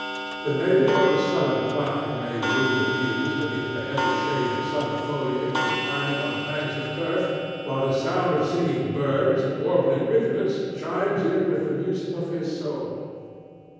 The native of a Southern clime may woo the Muse beneath the heavy shade of summer foliage reclining on banks of turf, while the sound of singing birds and warbling rivulets chimes in with the music of his soul.